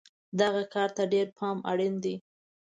دغه کار ته ډېر پام اړین دی.